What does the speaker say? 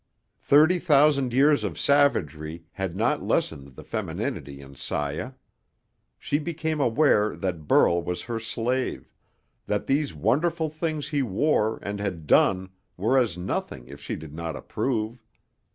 Thirty thousand years of savagery had not lessened the femininity in Saya. She became aware that Burl was her slave, that these wonderful things he wore and had done were as nothing if she did not approve.